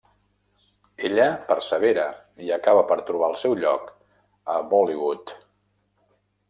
Ella persevera i acaba per trobar el seu lloc a Bollywood.